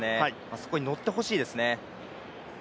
そこに乗ってほしいですね。